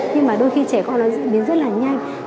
nhưng mà đôi khi trẻ con nó diễn biến rất là nhanh